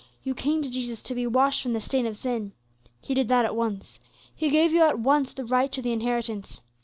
You came to Jesus to be washed from the stain of sin. He did that at once; He gave you at once the right to the inheritance.